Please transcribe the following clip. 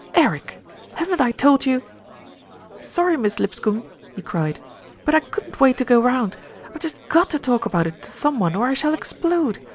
"Eric, haven't I told you " "Sorry, Miss Lipscombe," he cried; "but I couldn't wait to go round. I've just got to talk about it to some one or I shall explode.